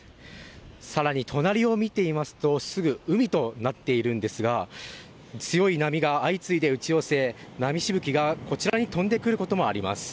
更に、隣を見てみますとすぐ海となっているんですが強い波が相次いで打ち寄せ波しぶきが、こちらに飛んでくることもあります。